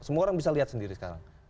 semua orang bisa lihat sendiri sekarang